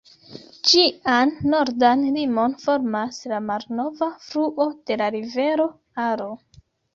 Ĝian nordan limon formas la malnova fluo de la rivero Aro.